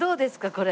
これ。